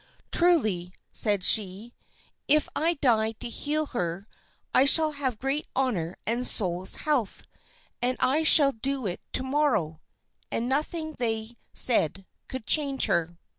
"Truly," said she, "if I die to heal her, I shall have great honor and soul's health, and I shall do it to morrow;" and nothing they said could change her.